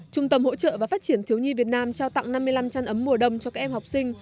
trung tâm hỗ trợ và phát triển thiếu nhi việt nam trao tặng năm mươi năm chăn ấm mùa đông cho các em học sinh